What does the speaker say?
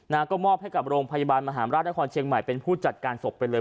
ก็มอบให้กับโรงพยาบาลมหาราชนครเชียงใหม่เป็นผู้จัดการศพไปเลย